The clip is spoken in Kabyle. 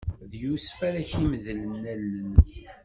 D Yusef ara k-imedlen allen.